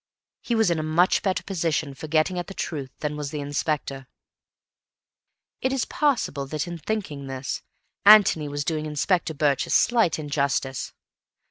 He was in a much better position for getting at the truth than was the Inspector. It is possible that, in thinking this, Antony was doing Inspector Birch a slight injustice.